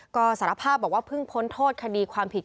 ก็สารภาพบอกว่าเพิ่งพ้นโทษคดีความผิด